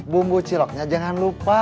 bumbu ciloknya jangan lupa